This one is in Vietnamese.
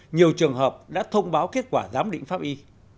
nhiều trường hợp đã thông báo kết quả giám định pháp y